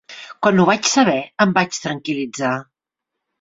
Quan ho vaig saber, em vaig tranquil·litzar.